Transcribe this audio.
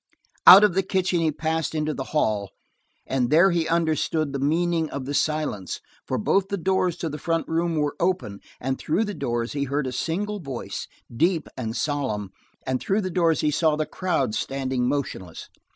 Out of the kitchen he passed into the hall, and there he understood the meaning of the silence, for both the doors to the front room were open, and through the doors he heard a single voice, deep and solemn, and through the doors he saw the crowd standing motionless.